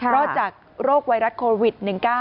รอดจากโรคไวรัสโควิด๑๙